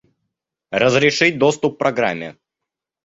Разрешить доступ программе